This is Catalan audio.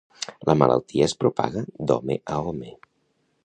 La malaltia es propaga d'home a home.